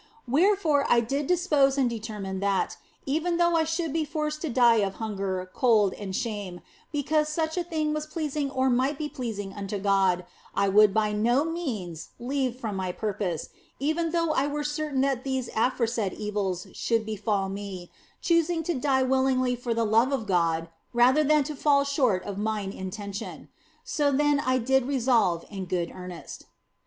Wherefore I did dispose and determine that, even though I should be forced to die of hunger, cold, and shame, because such a thing was pleasing or might be pleasing unto God I would by no means leave from my purpose, even though I were certain that these aforesaid evils should befall me, choosing to die willingly for the love of God rather than to fall short of mine intention. So then I did resolve in good earnest.